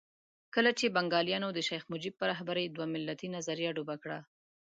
کله چې بنګالیانو د شیخ مجیب په رهبرۍ دوه ملتي نظریه ډوبه کړه.